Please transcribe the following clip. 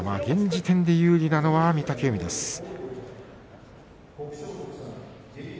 現時点で有利なのは御嶽海です。